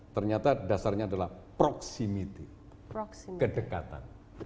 ternyata dasarnya adalah proximity kedekatan